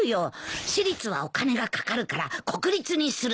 私立はお金がかかるから国立にする。